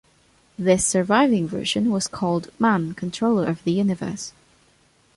This surviving version was called "Man, Controller of the Universe".